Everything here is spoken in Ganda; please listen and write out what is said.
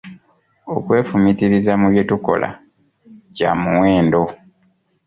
Okwefumintiriza mu bye tukola kya muwendo.